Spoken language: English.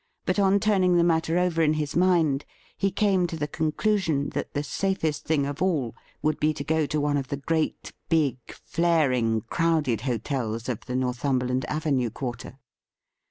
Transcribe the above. But on turning the matter over in his mind he came to the conclusion that the safest thing of all would be to go to one of the great big flaring, crowded hotels of the Northumberland Avenue quarter.